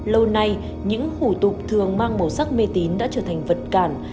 lâu nay những hủ tục thường mang màu sắc mê tín đã trở thành vật cản